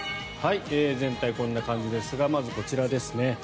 全体はこんな感じですがまずはこちらですね。